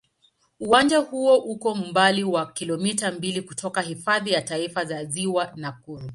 Uwanja huo uko umbali wa kilomita mbili kutoka Hifadhi ya Taifa ya Ziwa Nakuru.